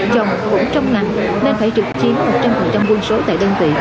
chồng cũng trong ngành nên phải trực chiến một trăm linh quân số tại đơn vị